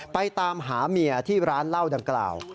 ตามหาเมียที่ร้านเหล้าดังกล่าว